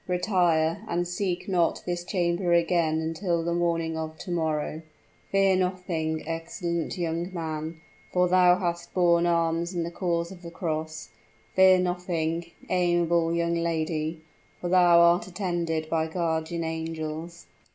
Retire, and seek not this chamber again until the morning of to morrow. Fear nothing, excellent young man, for thou hast borne arms in the cause of the cross. Fear nothing, amiable young lady, for thou art attended by guardian angels."